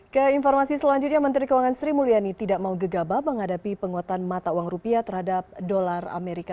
ke informasi selanjutnya menteri keuangan sri mulyani tidak mau gegabah menghadapi penguatan mata uang rupiah terhadap dolar amerika